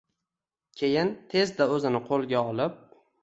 Keyin tezda o`zini qo`lga olib